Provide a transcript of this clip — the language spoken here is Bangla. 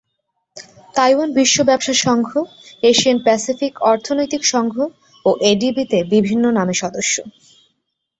তাইওয়ান বিশ্ব ব্যবসা সংঘ, এশিয়া-প্যাসিফিক অর্থনৈতিক সংঘ ও এডিবি-তে বিভিন্ন নামে সদস্য।